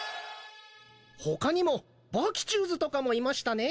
ほかにもバキチューズとかもいましたね